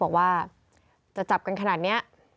บอกว่าจะจับกันขนาดนี้